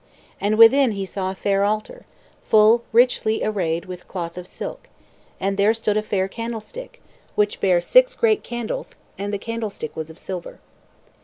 And within he saw a fair altar, full richly arrayed with cloth of silk; and there stood a fair candlestick, which bare six great candles, and the candlestick was of silver.